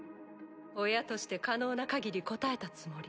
親として可能なかぎり応えたつもり。